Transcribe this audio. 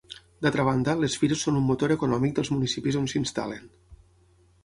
D'altra banda, les fires són un motor econòmic dels municipis on s'instal·len.